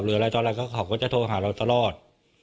หรืออะไรต่ออะไรก็เขาก็จะโทรหาเราตลอด